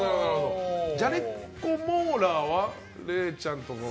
じゃれっこモーラーはれいちゃんとかは？